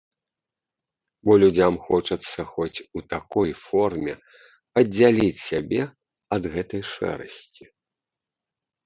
Бо людзям хочацца хоць у такой форме аддзяліць сябе ад гэтай шэрасці.